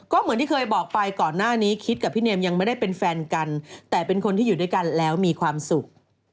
ก็เหมือนที่เคยบอกไปก่อนหน้านี้คิดกับพี่เมมยังไม่ได้เป็นแฟนกันแต่เป็นคนที่อยู่ด้วยกันแล้วมีความสุข